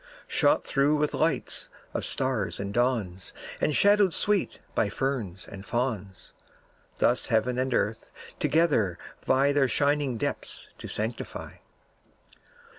Shot through with lights of stars and dawns, And shadowed sweet by ferns and fawns, Thus heaven and earth together vie Their shining depths to sanctify.